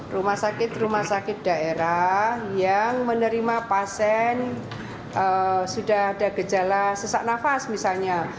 rumah sakit rumah sakit daerah yang menerima pasien sudah ada gejala sesak nafas misalnya